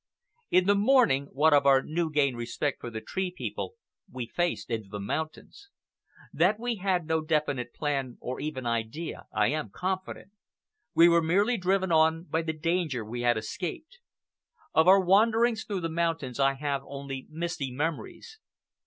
In the morning, what of our new gained respect for the Tree People, we faced into the mountains. That we had no definite plan, or even idea, I am confident. We were merely driven on by the danger we had escaped. Of our wanderings through the mountains I have only misty memories.